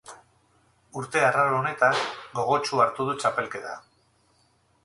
Urte arraro honetan, gogotsu hartu du txapelketa.